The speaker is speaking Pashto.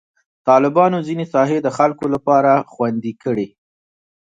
طالبانو ځینې ساحې د خلکو لپاره خوندي کړي.